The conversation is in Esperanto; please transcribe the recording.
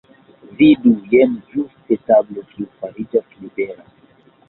Vidu! Jen ĝuste tablo kiu fariĝas libera.